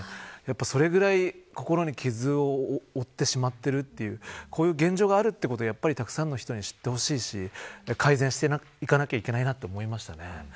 それぐらい、心に傷を負ってしまっているというこういう現状があるということをたくさんの人に知ってほしいですし改善していかなきゃいけないと思いました。